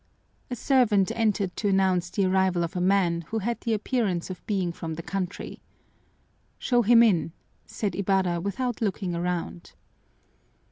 A servant entered to announce the arrival of a man who had the appearance of being from the country. "Show him in," said Ibarra without looking around.